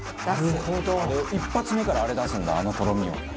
バカリズム：１発目からあれ出すんだ、あのとろみを。